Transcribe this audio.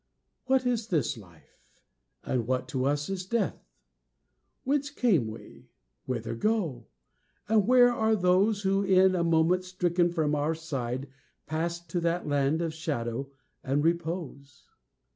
"What is this life? and what to us is death? Whence came we? whither go? and where are those Who, in a moment stricken from our side, Passed to that land of shadow and repose?